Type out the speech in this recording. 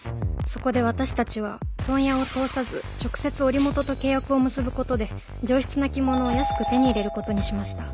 そこで私たちは問屋を通さず直接織元と契約を結ぶことで上質な着物を安く手に入れることにしました。